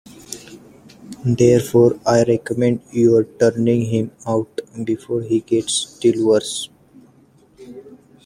Therefore I recommend your turning him out before he gets still worse.